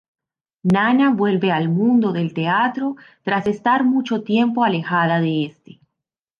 Nana vuelve al mundo del teatro tras estar mucho tiempo alejada de este.